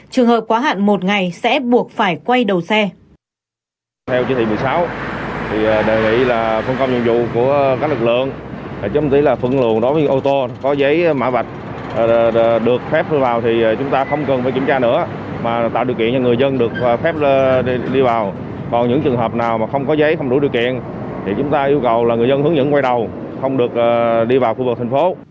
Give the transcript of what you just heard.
trường hợp quá hạn một ngày sẽ buộc phải quay đầu xe